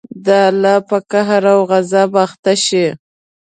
د الله په قهر او غصب اخته شئ.